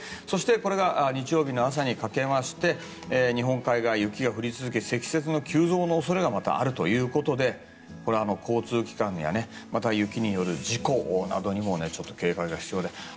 そして、日曜日の朝にかけまして日本海側、雪が降り続き積雪の急増の恐れがまたあるということで交通機関やまた雪による事故などにも警戒が必要です。